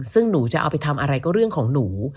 ซึ่งหนูจะเอาไปทำอะไรก็เรื่องของหนู